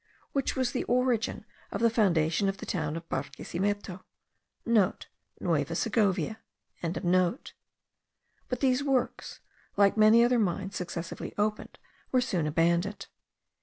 which was the origin of the foundation of the town of Barquisimeto.* (* Nueva Segovia.) But these works, like many other mines successively opened, were soon abandoned.